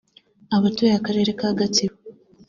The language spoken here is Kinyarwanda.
Abatuye Akarere ka Gatsibo